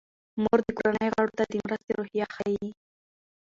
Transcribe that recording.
مور د کورنۍ غړو ته د مرستې روحیه ښيي.